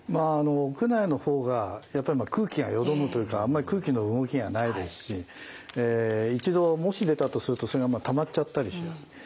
屋内の方がやっぱり空気がよどむというかあんまり空気の動きがないですし一度もし出たとするとそれがたまっちゃったりしやすい。